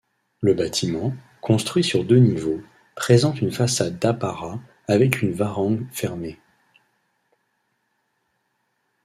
Le bâtiment, construit sur deux niveaux, présente une façade d'apparat avec une varangue fermée.